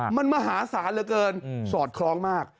มันมหาศาลเหลือเกินสอดคล้องมาก